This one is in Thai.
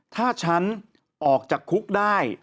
ถ้าฉันออกจากคุกได้